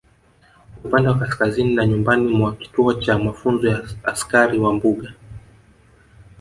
Upande wa kaskazini na nyumbani mwa kituo cha mafunzo ya askari wa mbuga